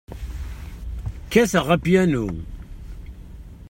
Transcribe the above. Kkateɣ apyanu.